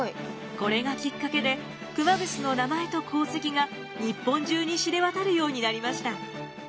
これがきっかけで熊楠の名前と功績が日本中に知れ渡るようになりました。